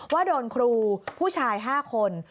ว่าโดนครูผู้ชาย๕คน